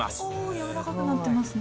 やわらかくなってますね。